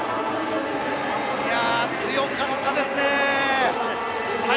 強かったですね。